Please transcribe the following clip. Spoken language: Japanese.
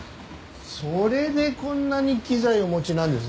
それでこんなに機材をお持ちなんですね。